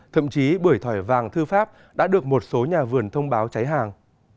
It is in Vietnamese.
thậm chí bưởi thỏi vàng thư pháp đã được một số nhà vườn thông báo cháy hàng